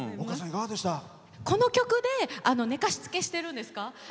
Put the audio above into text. この曲で寝かしつけしてるんですか？